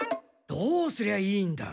どうすりゃいいんだ？